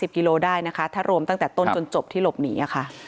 กิโลได้นะคะถ้ารวมตั้งแต่ต้นจนจบที่หลบหนีค่ะ